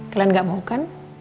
kalian gak mau kan